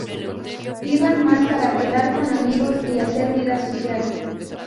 Iban más para quedar con amigos y hacer vida social.